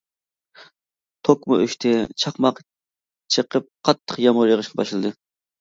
توكمۇ ئۆچتى، چاقماق چېقىپ، قاتتىق يامغۇر يېغىشقا باشلىدى.